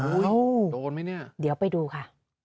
โดนไหมเนี่ยเดี๋ยวไปดูค่ะ